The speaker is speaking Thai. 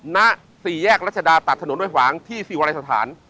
นะสี่แยกรัชดาตัดถนนด้วยหวังที่ศิวรายสถาน